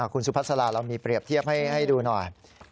คุณสุภาษาลาเรามีเปรียบเทียบให้ดูหน่อย